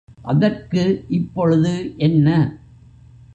அதற்கு இப்பொழுது என்ன?